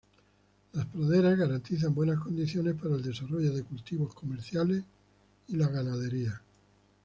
Las praderas garantizan buenas condiciones para el desarrollo de cultivos comerciales y la ganadería.